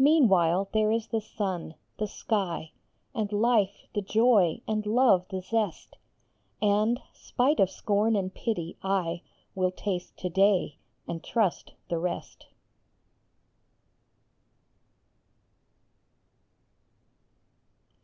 Meanwhile there is the sun, the sky, And life the joy, and love the zest ; And, spite of scorn and pity, I Will taste to day, and trust the rest.